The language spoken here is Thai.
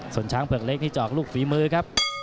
ส่วนช้างเผือกเล็กนี่จอกลูกฝีมือครับ